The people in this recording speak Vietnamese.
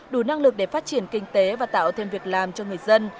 đủ năng lực để phát triển kinh tế và tạo thêm việc làm cho người dân